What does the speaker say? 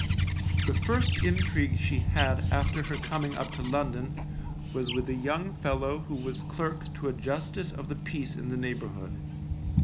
The first intrigue she had after her coming up to London was with a young fellow who was clerk to a Justice of the Peace in the neighbourhood.